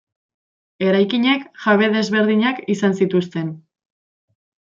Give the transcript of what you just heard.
Eraikinek jabe desberdinak izan zituzten.